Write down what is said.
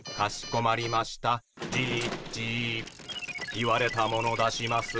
言われたもの出します。